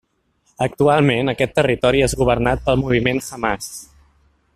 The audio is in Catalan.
Actualment aquest territori és governat pel moviment Hamàs.